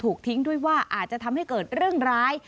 ทิ้งด้วยว่าอาจจะทำให้เกิดเรื่องร้าย